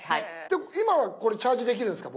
今はこれチャージできるんですか